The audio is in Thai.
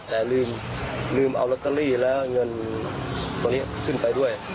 แต่ลืมเอาลอตเตอรี่และเงินตัวนี้ขึ้นไปด้วย